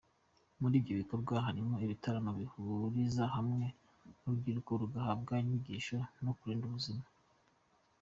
Muri ibyo bikorwa harimo ibitaramo bihuriza hamwe urubyiruko rugahabwa inyigisho mu kurinda ubuzima.